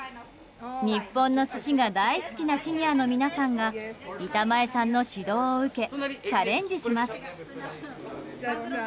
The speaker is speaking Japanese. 日本の寿司が大好きなシニアの皆さんが板前さんの指導を受けチャレンジします。